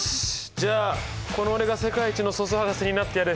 じゃあこの俺が世界一の素数博士になってやる。